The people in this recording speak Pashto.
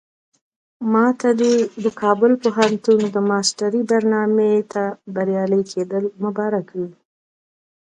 ماته دې د کابل پوهنتون د ماسترۍ برنامې ته بریالي کېدل مبارک وي.